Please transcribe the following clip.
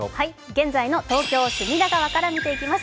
現在の東京・隅田川から見ていきます。